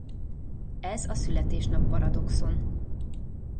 Ez a születésnap-paradoxon.